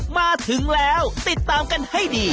มาถึงแล้วติดตามกันให้ดี